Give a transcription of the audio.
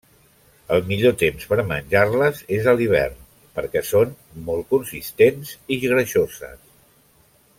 El millor temps per menjar-les és a l'hivern, perquè són molt consistents i greixoses.